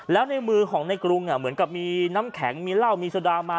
แล้วในมือของในกรุงเหมือนกับมีน้ำแข็งมีเหล้ามีสดามา